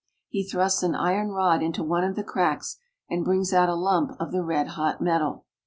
He thrusts an iron rod into one of the cracks and brings out a lump of the red hot metal.